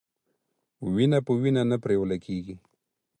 وينه په وينه نه پريوله کېږي.